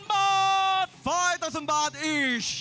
๕๐๐๐บาทอีก